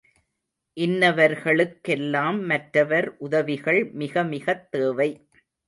இன்னவர்களுக் கெல்லாம் மற்றவர் உதவிகள் மிகமிகத் தேவை.